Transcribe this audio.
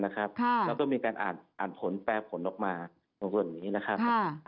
การอ่านผลแปรผลลงมาตรงส่วนนี้นะครับ